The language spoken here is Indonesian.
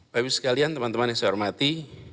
baiklah sekalian teman teman yang saya hormati